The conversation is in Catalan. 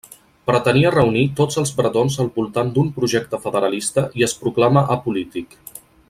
Pretenia reunir tots els bretons al voltant d'un projecte federalista i es proclama apolític.